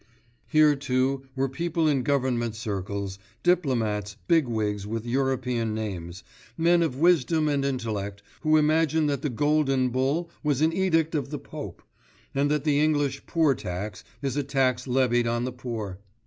Here, too, were people in government circles, diplomats, big wigs with European names, men of wisdom and intellect, who imagine that the Golden Bull was an edict of the Pope, and that the English poor tax is a tax levied on the poor.